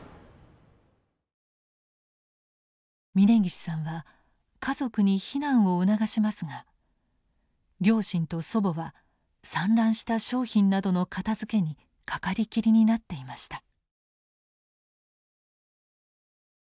嶺岸さんは家族に避難を促しますが両親と祖母は散乱した商品などの片づけに掛かりきりになっていました。